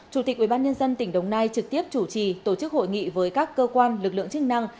chủ tịch ubnd tỉnh đồng nai trực tiếp chủ trì tổ chức hội nghị với các cơ quan lực lượng chức năng